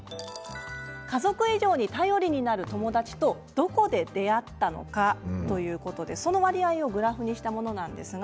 家族以上に頼りになる友達とどこで出会ったのかということでその割合をグラフにしたものです。